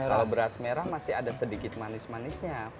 kalau beras merah masih ada sedikit manis manisnya